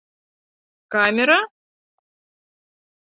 Камера?